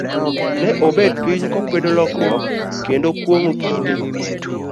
ne obet piny, kokwedo lokruok, kendo kuong'o kinde.